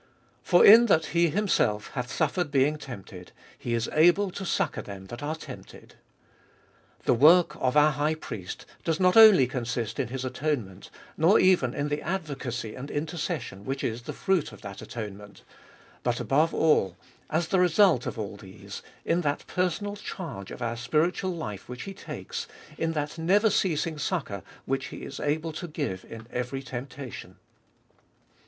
For in that He Himself hath suffered being tempted, He is able to succour them that are tempted. The work of our High Priest does not only consist in His atonement, nor even in the advocacy and intercession which is the fruit of that atone ment. But above all, as the result of all these, in that personal charge of our spiritual life which He takes, in that never ceasing succour which He is able to give in every temptation.